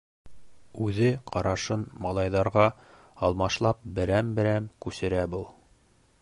Үҙе ҡарашын малайҙарға алмашлап берәм-берәм күсерә был.